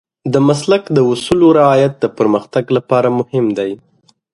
د مسلک د اصولو رعایت د پرمختګ لپاره مهم دی.